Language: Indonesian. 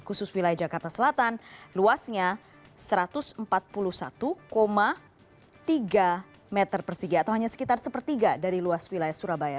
khusus wilayah jakarta selatan luasnya satu ratus empat puluh satu tiga meter persegi atau hanya sekitar sepertiga dari luas wilayah surabaya